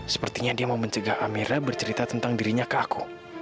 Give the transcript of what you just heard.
sepertinya dia mau mencegah amera bercerita tentang dirinya ke aku